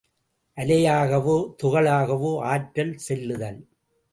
அலையாகவோ துகளாகவோ ஆற்றல் செல்லுதல்.